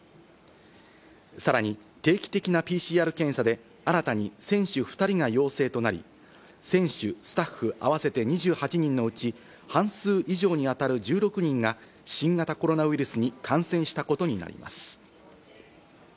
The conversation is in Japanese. さらに定期的なＰＣＲ検査で新たに選手２人が陽性となり、選手、スタッフ合わせて２８人のうち、半数以上に当たる１６人が新型コロナウイルスに感染したことになります。